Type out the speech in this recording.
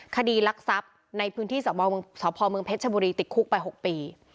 คดีรักทรัพย์ในพื้นที่สพเมืองเพชรชบุรีติดคุกไป๖ปี